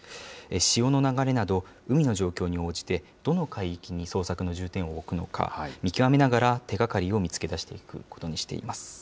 潮の流れなど、海の状況に応じて、どの海域に捜索の重点を置くのか、見極めながら手がかりを見つけ出していくことにしています。